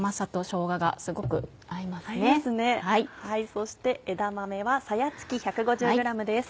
そして枝豆はさやつき１５０ｇです。